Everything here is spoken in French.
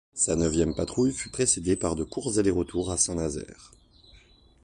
Sa neuvième patrouille fut précédée par de courts allers-retours à Saint-Nazaire.